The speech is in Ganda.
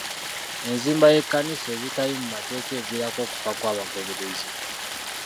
Enzimba y'ekkanisa ezitali mu mateeka eviirako okufa kw'abagoberezi.